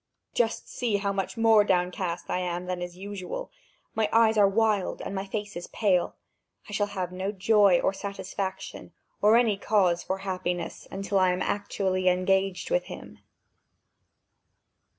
Just see how much more downcast I am than is usual! My eyes are wild, and my face is pale! I shall have no joy or satisfaction or any cause for happiness until I am actually engaged with him."